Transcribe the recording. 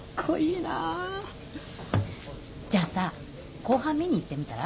じゃあさ公判見に行ってみたら？